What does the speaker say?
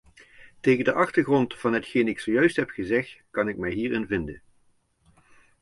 Tegen de achtergrond van hetgeen ik zojuist heb gezegd, kan ik mij hierin vinden.